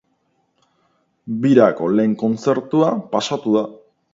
Birako lehen kontzertua pasatu da!